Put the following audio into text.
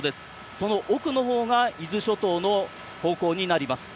その奥のほうが伊豆諸島の方向になります。